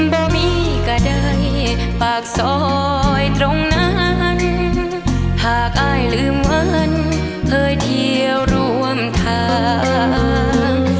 บ่มีก็ได้ปากซอยตรงนั้นหากอ้ายลืมวันเคยเที่ยวร่วมทาง